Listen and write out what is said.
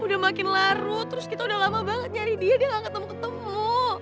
udah makin larut terus kita udah lama banget nyari dia udah gak ketemu ketemu